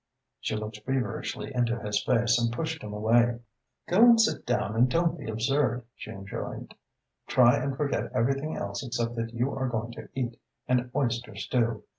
She looked feverishly into his face and pushed him away. "Go and sit down and don't be absurd," she enjoined. "Try and forget everything else except that you are going to eat an oyster stew.